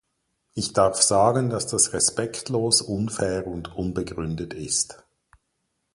Ich darf sagen, dass das respektlos, unfair und unbegründet ist.